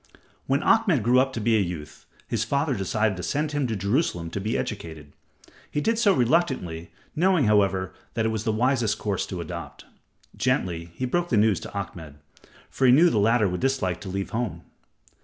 When Ahmed grew up to be a youth, his father decided to send him to Jerusalem to be educated. He did so reluctantly, knowing, however, that it was the wisest course to adopt. Gently he broke the news to Ahmed, for he knew the latter would dislike to leave home.